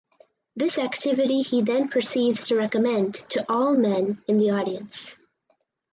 This activity he then proceeds to recommend to all men in the audience.